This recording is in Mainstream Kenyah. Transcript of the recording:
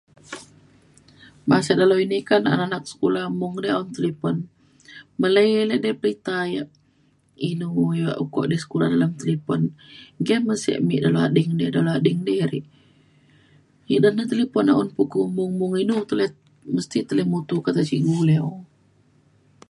masak dalau ini kan, anak-anak sekolah mung ne un talipun. meley ne eda mita ya inu ya' ukuk eda sekula dalem talipun ngeke le sik mek dalau ading di, dalau ading di re' eden na talipun un ukuk mung mung inu mesti tele mutu kata cikgu lew.